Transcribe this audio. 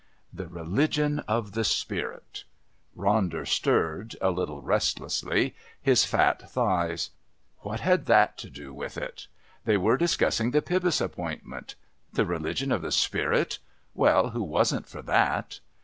The religion of the spirit! Ronder stirred, a little restlessly, his fat thighs. What had that to do with it? They were discussing the Pybus appointment. The religion of the spirit! Well, who wasn't for that?